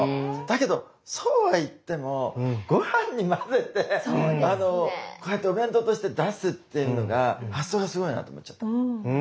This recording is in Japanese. だけどそうはいってもごはんに混ぜてこうやってお弁当として出すっていうのが発想がすごいなと思っちゃった。